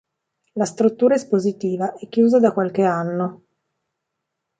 La struttura espositiva è chiusa da qualche anno.